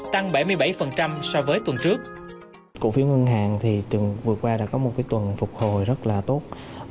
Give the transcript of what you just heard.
tại vì nhóm cổ phiếu ngân hàng đã có một tuần phục hồi rất là tốt